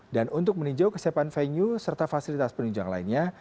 dan untuk meninjau kesiapan venue serta fasilitas peninjauan lainnya